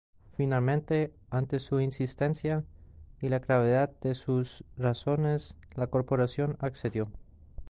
Finalmente, ante su insistencia y la gravedad de sus razones, la corporación accedió.